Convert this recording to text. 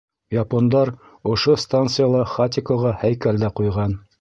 Япондар ошо станцияла Хатикоға һәйкәл дә ҡуйған.